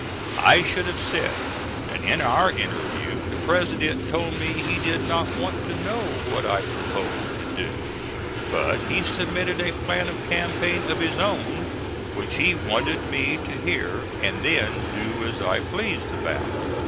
I should have said that in our interview the President told me he did not want to know what I proposed to do. But he submitted a plan of campaign of his own which he wanted me to hear and then do as I pleased about.